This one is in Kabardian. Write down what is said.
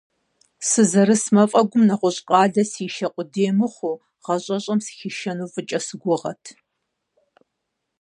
Сызэрыс мафӏэгум нэгъуэщӏ къалэ сишэ къудей мыхъуу, гъащӏэщӏэм сыхишэну фӏыкӏэ сыгугъэрт.